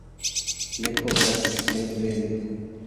Ne povas ne veni.